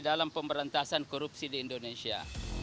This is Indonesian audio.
dalam pemberantasan korupsi di indonesia